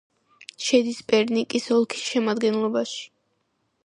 შედის პერნიკის ოლქის შემადგენლობაში.